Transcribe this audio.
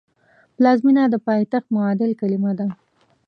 پلازمېنه د پایتخت معادل کلمه ده